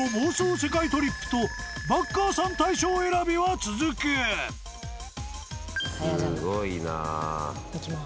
世界トリップとバッカーさん大賞選びは続く］いきます。